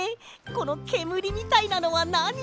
このけむりみたいなのはなに？